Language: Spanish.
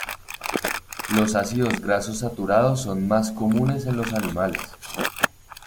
Los ácidos grasos saturados son más comunes en los animales.